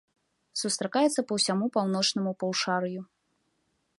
Сустракаецца па ўсяму паўночнаму паўшар'ю.